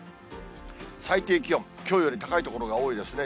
最低気温、きょうより高い所が多いですね。